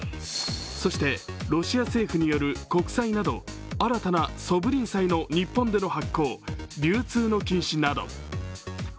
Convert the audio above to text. そして、ロシア政府による国債など新たなソブリン債の日本での発行、流通の禁止など。